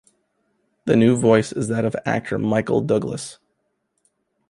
The new voice is that of actor Michael Douglas.